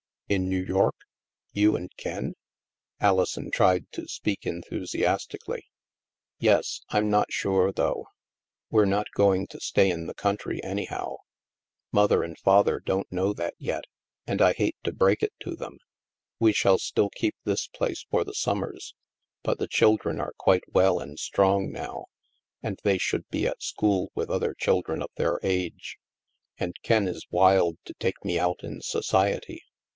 " In New York? You and Ken? " Alison tried to speak enthusiastically. " Yes. I'm not sure, though. We're not going to stay in the country, anyhow. Mother and Father don't know that yet, and I hate to break it to them. We shall still keep this place for the summers. But the children are quite well and strong now, and they should be at school with other children of their age. And Ken is wild to take me out in society.